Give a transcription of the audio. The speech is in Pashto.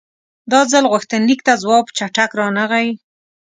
دا ځل غوښتنلیک ته ځواب چټک رانغی.